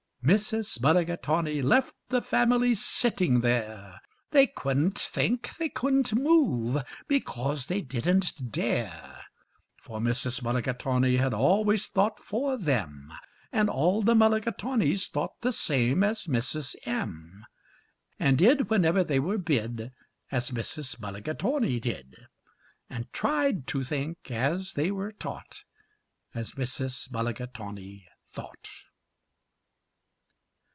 Mrs. Mulligatawny left the family sitting there. They couldn't think, they couldn't move, because they didn't dare; For Mrs. Mulligatawny had always thought for them, And all the Mulligatawnys thought the same as Mrs. M., And did, whenever they were bid, As Mrs. Mulligatawny did, And tried to think, as they were taught, As Mrs. Mulligatawny thought.